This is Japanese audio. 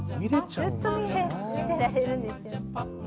ずっと見てられるんですよ。